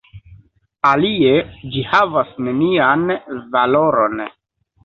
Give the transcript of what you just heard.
Alie ĝi havas nenian valoron.